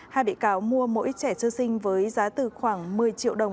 hai bị cáo mua mỗi trẻ sơ sinh với giá từ khoảng một mươi triệu đồng